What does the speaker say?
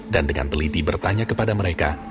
dan dengan teliti bertanya kepada mereka